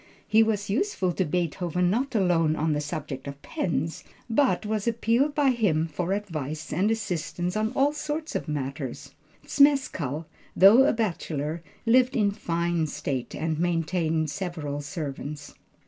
He was useful to Beethoven not alone on the subject of pens, but was appealed to by him for advice and assistance on all sorts of matters. Zmeskall, though a bachelor, lived in fine state, and maintained several servants.